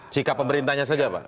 sikap pemerintahnya saja pak